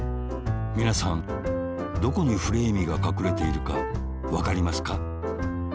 みなさんどこにフレーミーがかくれているかわかりますか？